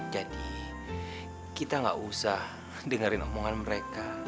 jadi kita nggak usah dengerin omongan mereka